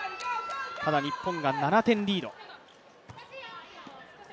ただ日本が７点リード。